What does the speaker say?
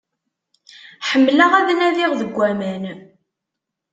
Ḥemmleɣ ad nadiɣ deg aman.